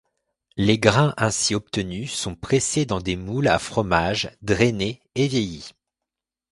Les grains ainsi obtenus sont pressés dans des moules à fromage, drainés et vieillis.